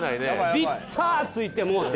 ビターッついてもうて。